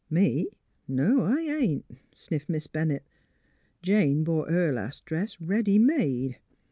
" ''Me? No. I ain't," sniffed Miss Bennett. *' Jane bought her last dress ready made.